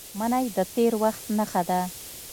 منی د تېر وخت نښه ده